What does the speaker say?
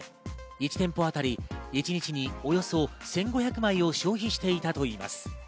１店舗あたり一日におよそ１５００枚を消費していたといいます。